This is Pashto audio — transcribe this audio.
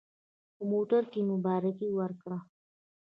په موټر کې مبارکي ورکړه.